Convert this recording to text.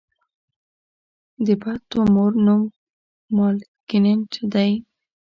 د بد تومور نوم مالېګننټ دی.